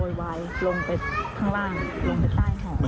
วายลงไปข้างล่างลงไปใต้ถอด